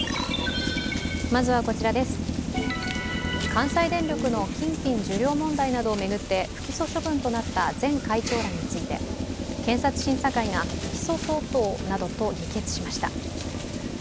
関西電力の金品受領問題などを巡って不起訴処分となった前会長らについて、検察審査会が起訴相当などと議決しました。